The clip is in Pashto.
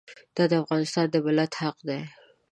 دا د افغانستان د ملت حق دی.